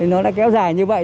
nó đã kéo dài như vậy